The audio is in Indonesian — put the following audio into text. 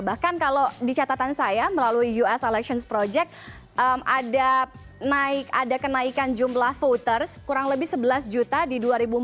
bahkan kalau di catatan saya melalui us elections project ada kenaikan jumlah voters kurang lebih sebelas juta di dua ribu empat belas